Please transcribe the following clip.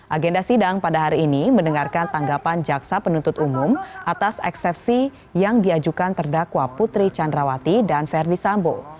agenda sidang pada hari ini mendengarkan tanggapan jaksa penuntut umum atas eksepsi yang diajukan terdakwa putri candrawati dan verdi sambo